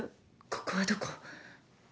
ここはどこ？